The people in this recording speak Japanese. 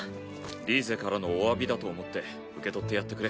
リーゼからのお詫びだと思って受け取ってやってくれ。